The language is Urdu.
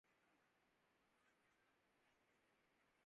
باہم دِکر ہوئے ہیں دل و دیده پهر رقیب